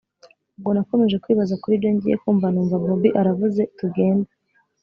ubwo nakomeje kwibaza kuribyo ngiye kumva numva bobi aravuzetugende